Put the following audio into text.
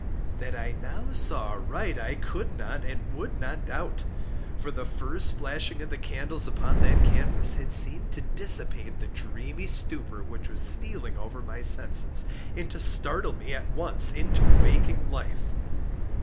That I now saw aright I could not and would not doubt; for the first flashing of the candles upon that canvas had seemed to dissipate the dreamy stupor which was stealing over my senses, and to startle me at once into waking life.